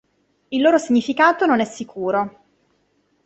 Il loro significato non è sicuro.